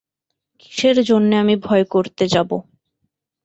কিসের জন্যে আমি ভয় করতে যাব?